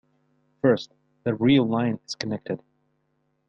First, the real line is connected.